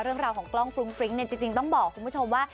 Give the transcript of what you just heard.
เรื่องราวของกล้องฟรุ้งฟริ้งเนี่ยจริงต้องบอกคุณผู้ชมว่า